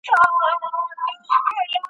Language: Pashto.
یوسف په خوب کي لټومه زلیخا ووینم